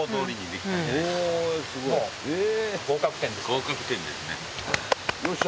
合格点ですか？